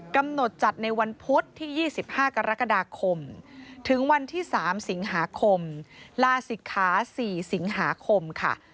กำหนดจัดในวันพุธที่๒๕กรกฎาคมถึงวันที่๓สิงหาคมลาศิกขา๔สิงหาคมค่ะ